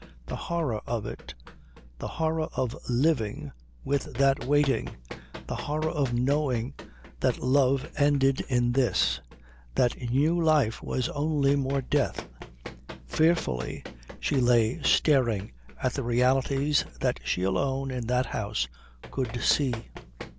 The horror of it. The horror of living with that waiting. The horror of knowing that love ended in this, that new life was only more death. Fearfully she lay staring at the realities that she alone in that house could see.